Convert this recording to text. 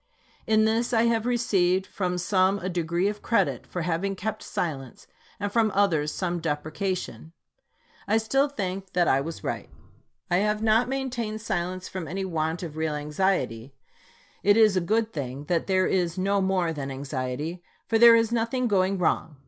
In this I have received from some a degree of credit for having kept silence, and from others some deprecation. I still think that I was right. .. I have not maintained silence from 296 ABRAHAM LINCOLN chap. xix. any want of real anxiety. It is a good thing that there is no more than anxiety, for there is nothing going wrong.